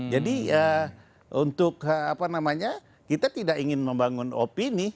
jadi untuk apa namanya kita tidak ingin membangun opini